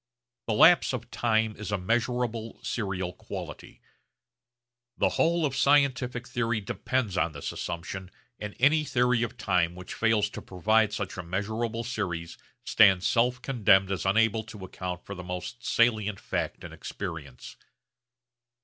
The lapse of time is a measurable serial quantity. The whole of scientific theory depends on this assumption and any theory of time which fails to provide such a measurable series stands self condemned as unable to account for the most salient fact in experience.